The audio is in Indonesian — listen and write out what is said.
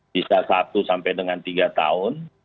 bisa satu sampai dengan tiga tahun